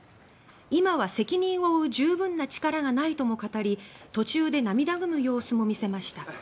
「今は責任を負う十分な力がない」とも語り途中で涙ぐむ様子も見せました。